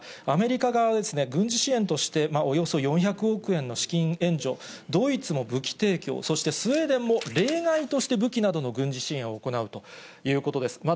アメリカ側は、軍事支援としておよそ４００億円の資金援助、ドイツも武器提供、そしてスウェーデンも例外として武器などの軍事支援を行うということです。